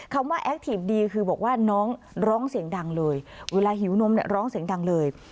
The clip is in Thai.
คำว่าแอคทีฟดีคือบอกว่าน้องร้องเสียงดังเลยเวลาหิวนมเนี่ยร้องเสียงดังเลย